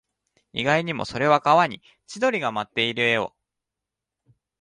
意外にも、それは川に千鳥が舞っている絵を